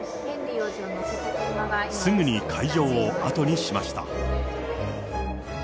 すぐに会場を後にしました。